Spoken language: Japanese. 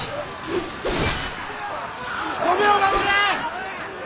米を守れ！